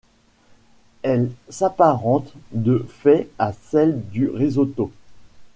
Elle s'apparente de fait à celle du risotto.